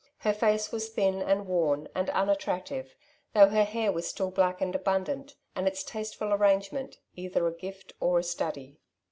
Her face was thin and worn, and unattractive, though her hair was still black and abundant, and its tasteful arrangement either a gift or a study.